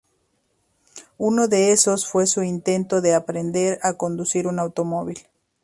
Uno de esos fue su intento de aprender a conducir un automóvil.